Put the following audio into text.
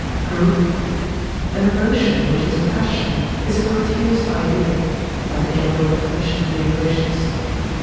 Proof. An emotion, which is a passion, is a confused idea (by the general Def. of the Emotions).